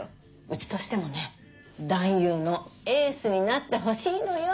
うちとしてもね男優のエースになってほしいのよ